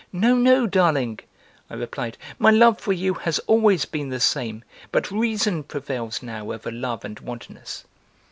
"No! No! Darling," I replied, "my love for you has always been the same, but reason prevails now over love and wantonness.")